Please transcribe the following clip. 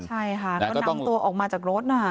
ใช่ค่ะก็นำตัวออกมาจากรถน่ะ